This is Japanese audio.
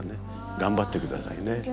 頑張ってくださいね。